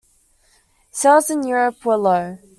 Sales in Europe were low.